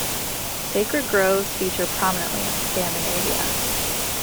Sacred groves feature prominently in Scandinavia.